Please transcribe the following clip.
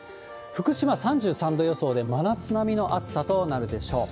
福島３３度予想で、真夏並みの暑さとなるでしょう。